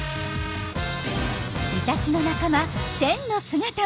イタチの仲間テンの姿も。